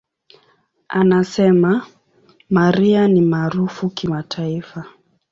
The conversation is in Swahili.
Anasema, "Mariah ni maarufu kimataifa.